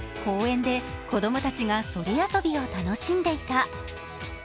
公園で子供たちがそり遊びを楽しんでいた。